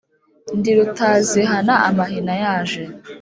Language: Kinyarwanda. Ndi Rutazihana amahina yaje,